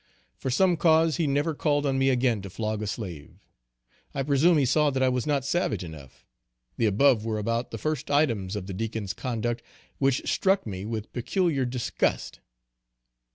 For some cause he never called on me again to flog a slave. I presume he saw that I was not savage enough. The above were about the first items of the Deacon's conduct which struck me with peculiar disgust.